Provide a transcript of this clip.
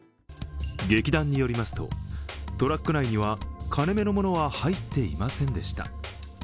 劇団によりますと、トラック内には金目のものは入っていませんでした。